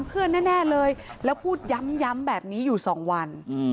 เพื่อนแน่แน่เลยแล้วพูดย้ำย้ำแบบนี้อยู่สองวัน